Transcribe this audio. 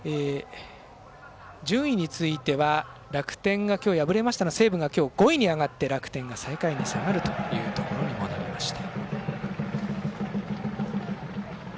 順位については楽天が今日敗れましたので西武が５位に上がって楽天が最下位に下がるというところになりました。